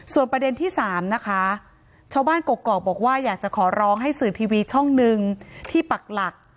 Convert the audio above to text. ส่วนประเด็นที่๓นะคะชาวบ้านกกอกบอกว่าอยากจะขอร้องให้สื่อทีวีช่องหนึ่งที่ปักหลัก